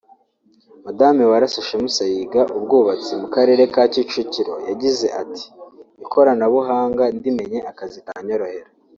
Madame Warassa Shemsa yiga ubwubatsi mu Karere ka Kicukiro yagize ati”ikoranabuhanga ndimenye akazi kanyorohera”